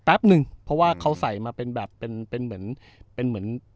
แป๊บนึงเพราะว่าเขาใส่มาเป็นแบบเป็นเหมือน